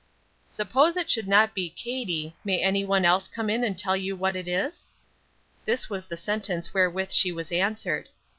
"Suppose it should not be Katie, may any one else come in and tell you what it is?" This was the sentence wherewith she was answered.